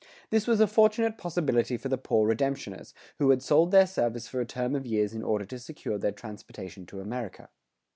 [101:2] This was a fortunate possibility for the poor redemptioners, who had sold their service for a term of years in order to secure their transportation to America.